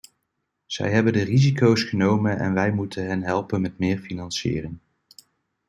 Zij hebben de risico's genomen en wij moeten hen helpen met meer financiering.